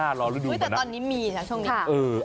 แต่ตอนนี้มีนะช่วงนี้